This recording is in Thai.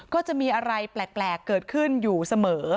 ก็จะมีอะไรแปลกเกิดขึ้นอยู่เสมอ